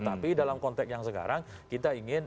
tapi dalam konteks yang sekarang kita ingin